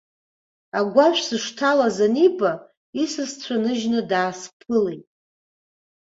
Агәашә сышҭалаз аниба, исасцәа ныжьны даасԥылеит.